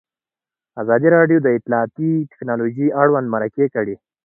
ازادي راډیو د اطلاعاتی تکنالوژي اړوند مرکې کړي.